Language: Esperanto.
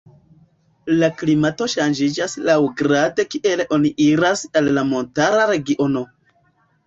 La klimato ŝanĝiĝas laŭgrade kiel oni iras al la montara regiono.